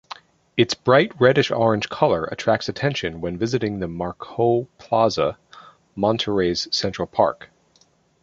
Its bright reddish-orange color attracts attention when visiting the Macroplaza, Monterrey's central park.